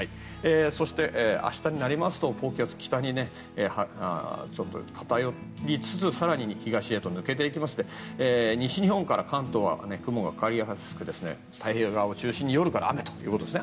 そして、明日になりますと高気圧が北に偏りつつ更に東へと抜けていきまして西日本から関東は雲がかかりやすくて太平洋側を中心に夜から雨ということです。